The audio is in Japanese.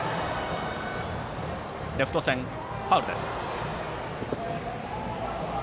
レフト線、ファウルです。